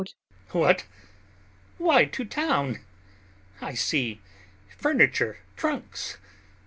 [Agitated] What? Why to town? I see furniture... trunks....